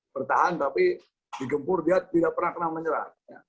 bertahan tapi digempur dia tidak pernah kena menyerah